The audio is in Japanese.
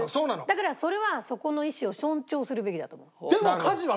だからそれはそこの意思を尊重するべきだと思う。